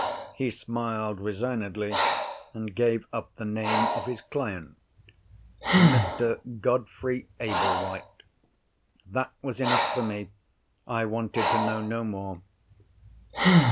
He smiled resignedly, and gave up the name of his client: Mr. Godfrey Ablewhite. That was enough for me—I wanted to know no more.